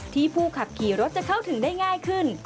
ผู้ขับขี่รถจะเข้าถึงได้ง่ายขึ้น